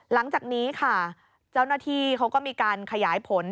หลังจากนี้ค่ะเจ้าหน้าที่เขาก็มีการขยายผล